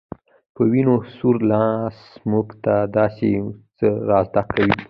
په وينو سور لاس موږ ته داسې څه را زده کوي